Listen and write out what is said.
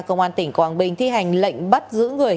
công an tỉnh quảng bình thi hành lệnh bắt giữ người